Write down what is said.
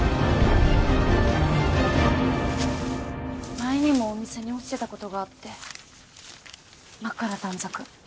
前にもお店に落ちてた事があって真っ赤な短冊。